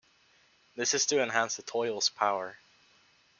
This is to enhance the toyol's power.